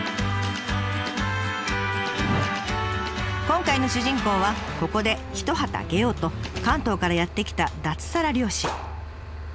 今回の主人公はここで一旗揚げようと関東からやって来た脱サラ漁師。